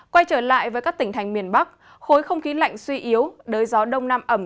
quay trở lại với các tỉnh thành miền bắc khối không khí lạnh suy yếu đới gió đông nam ẩm